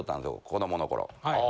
子どもの頃。